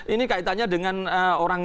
ini kaitannya dengan orang